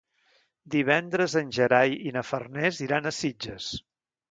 Divendres en Gerai i na Farners iran a Sitges.